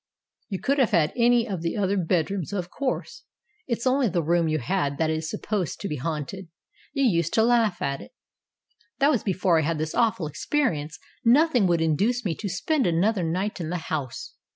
"You could have any of the other bedrooms, of course. It's only the room you had that is supposed to be haunted. You used to laugh at it." "That was before I had this awful experience. Nothing would induce me to spend another night in the house.